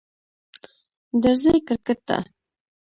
درځی کرکټ ته